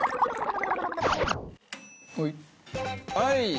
はい！